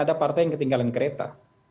ada partai yang ketinggalan kereta